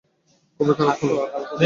খুবই খারাপ হলো।